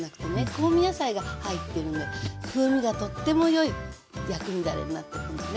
香味野菜が入ってるので風味がとってもよい薬味だれになってるのね。